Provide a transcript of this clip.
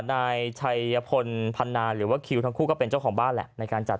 นายชัยพลพันนาหรือว่าคิวทั้งคู่ก็เป็นเจ้าของบ้านแหละในการจัด